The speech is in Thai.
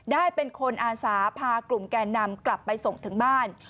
ได้เป็นคนอาสาพากลุ่มแกนนำกลับไปส่งถึงบ้าน